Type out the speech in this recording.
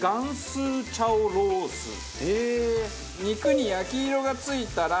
肉に焼き色が付いたら。